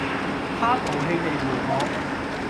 他淘氣地回我